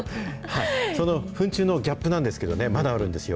そのフン虫のギャップなんですけれどもね、まだあるんですよ。